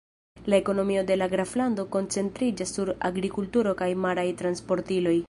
La ekonomio de la graflando koncentriĝas sur agrikulturo kaj maraj transportiloj.